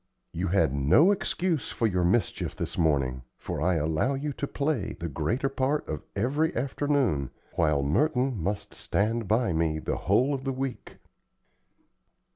You had no excuse for your mischief this morning, for I allow you to play the greater part of every afternoon, while Merton must stand by me the whole of the week."